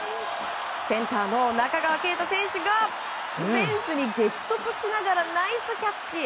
センターの中川圭太選手がフェンスに激突しながらナイスキャッチ！